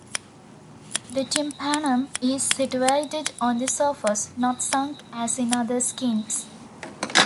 The tympanum is situated on the surface, not sunk as in other skinks.